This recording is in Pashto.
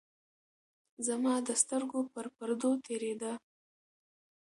زمـا د سـترګو پـر پـردو تېـرېده.